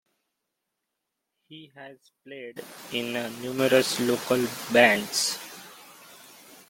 He has played in numerous local bands.